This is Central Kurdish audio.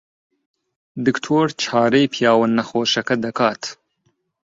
دکتۆر چارەی پیاوە نەخۆشەکە دەکات.